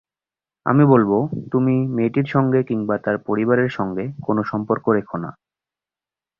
আমি বলব, তুমি মেয়েটির সঙ্গে কিংবা তার পরিবারের সঙ্গে কোনো সম্পর্ক রেখো না।